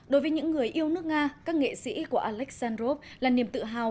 đối với những người yêu nước nga các nghệ sĩ của alexandrov là niềm tự hào